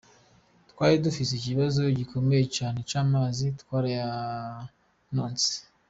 Twari dufise ikibazo gikomeye cane c'amazi twarayaronse.